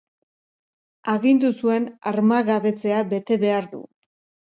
Agindu zuen armagabetzea bete behar du.